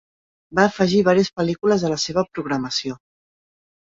Va afegir varies pel·lícules a la seva programació.